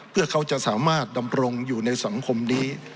เพื่อเขาจะสามารถดำรงอยู่ในสังคมนี้